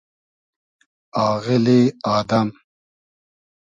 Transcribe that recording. آغیلی آدئم